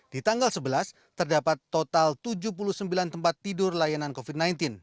di tanggal sebelas terdapat total tujuh puluh sembilan tempat tidur layanan covid sembilan belas